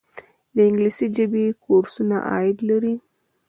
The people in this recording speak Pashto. د انګلیسي ژبې کورسونه عاید لري؟